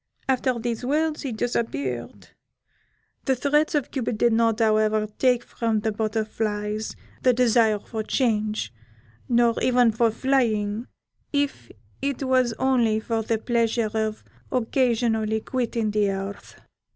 After these words he disappeared. The threats of Cupid did not, however, take from the Butterflies the desire for change, nor even for flying, if it was only for the pleasure of occasionally quitting the earth.